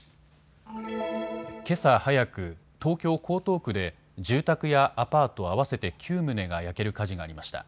けさ早く、東京江東区で住宅やアパート合わせて９棟が焼ける火事がありました。